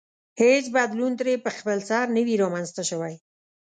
هېڅ بدلون ترې په خپلسر نه وي رامنځته شوی.